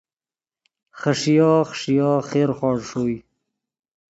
خݰیو خݰیو خیرخوڑ ݰوئے